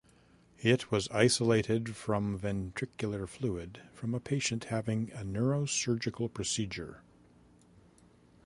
It was isolated from ventricular fluid from a patient having had a neurosurgical procedure.